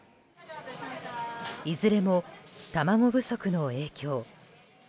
いずれも卵不足の影響。